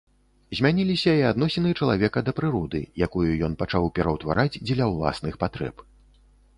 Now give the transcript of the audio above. Змяніліся і адносіны чалавека да прыроды, якую ён пачаў пераўтвараць дзеля ўласных патрэб.